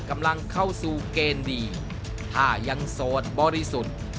กำลังเข้าสู่เกณฑ์ดีถ้ายังโสดบริสุทธิ์